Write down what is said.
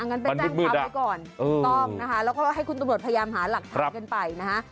งั้นไปแจ้งความไว้ก่อนถูกต้องนะคะแล้วก็ให้คุณตำรวจพยายามหาหลักฐานกันไปนะฮะ